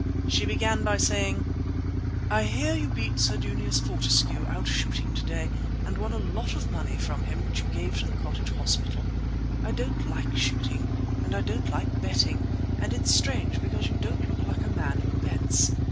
She began by saying: "I hear you beat Sir Junius Fortescue out shooting to day, and won a lot of money from him which you gave to the Cottage Hospital. I don't like shooting, and I don't like betting; and it's strange, because you don't look like a man who bets.